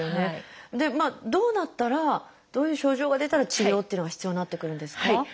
どうなったらどういう症状が出たら治療っていうのが必要になってくるんですか？